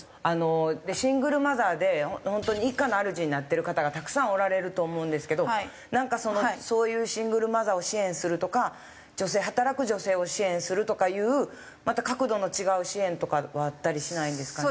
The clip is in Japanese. シングルマザーで本当に一家のあるじになってる方がたくさんおられると思うんですけどなんかそういうシングルマザーを支援するとか女性働く女性を支援するとかいうまた角度の違う支援とかはあったりしないんですかね？